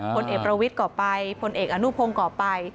พลเอกประวิทย์ก่อไปพลเอกอนุพงศ์ก่อไป